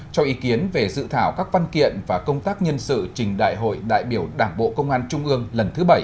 cho ý kiến về dự thảo các văn kiện và công tác nhân sự trình đại hội đại biểu đảng bộ công an trung ương lần thứ bảy